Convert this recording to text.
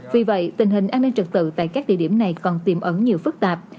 vì vậy tình hình an ninh trật tự tại các địa điểm này còn tiềm ẩn nhiều phức tạp